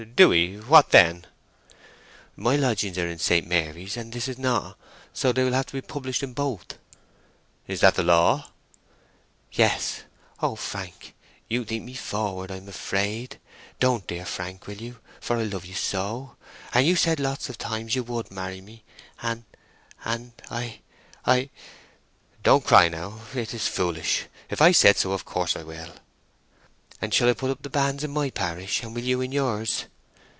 "Do we? What then?" "My lodgings are in St. Mary's, and this is not. So they will have to be published in both." "Is that the law?" "Yes. O Frank—you think me forward, I am afraid! Don't, dear Frank—will you—for I love you so. And you said lots of times you would marry me, and—and—I—I—I—" "Don't cry, now! It is foolish. If I said so, of course I will." "And shall I put up the banns in my parish, and will you in yours?"